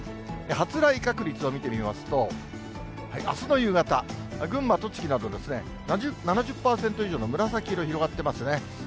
発雷確率を見てみますと、あすの夕方、群馬、栃木など、７０％以上の紫色、広がってますね。